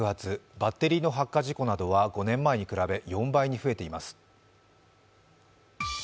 バッテリーの発火事故は５年前に比べて４倍に増えています。